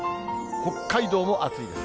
北海道も暑いです。